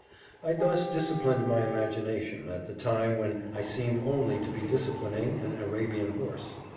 I thus disciplined my imagination at the time when I seemed only to be disciplining an Arabian horse.